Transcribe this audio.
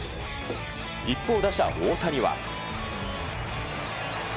一方、打者、大谷は。